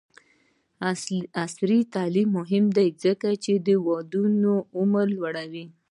عصري تعلیم مهم دی ځکه چې د ودونو عمر لوړوي.